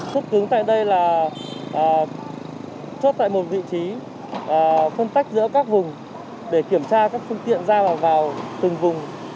xuất cứng tại đây là chốt tại một vị trí phân tách giữa các vùng để kiểm tra các phương tiện ra vào từng vùng